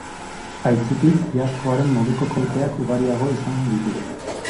Aitzitik, iazkoaren moduko kolpeak ugariago izan ditu.